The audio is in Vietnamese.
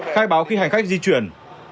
khai báo khi hành khách di chuyển